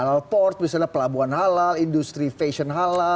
halal port misalnya pelabuhan halal industri fashion halal